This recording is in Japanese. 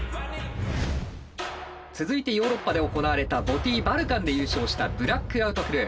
続いてヨーロッパで行われたＢＯＴＹバルカンで優勝したブラック・アウト・クルー。